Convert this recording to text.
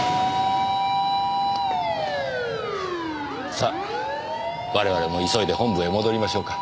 さあ我々も急いで本部へ戻りましょうか。